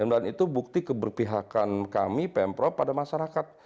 dan itu bukti keberpihakan kami pemprov pada masyarakat